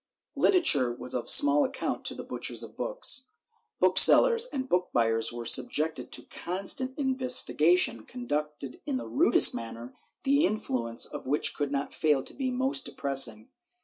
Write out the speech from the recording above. Literature was of small account to the butchers of books. Booksellers and book buyers were subjected to constant investi gation conducted in the rudest manner, the influence of which could not fail to be most depressing.